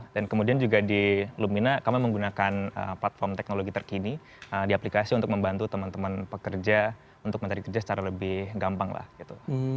dan kemudian juga di lumina kami menggunakan platform teknologi terkini di aplikasi untuk membantu teman teman pekerja untuk mencari kerja secara lebih gampang lah gitu